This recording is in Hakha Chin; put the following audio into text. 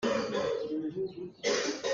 A hawipa nih a rawi.